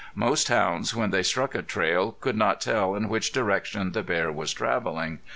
Most hounds, when they struck a trail, could not tell in which direction the bear was traveling.